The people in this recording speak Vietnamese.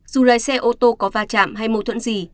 dù lái xe ô tô có va chạm hay mâu thuẫn gì